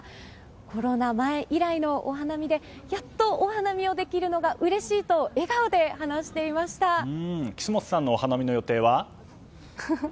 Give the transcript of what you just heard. コロナ前以来のお花見でやっとお花見ができるのが岸本さんのお花見の予定は？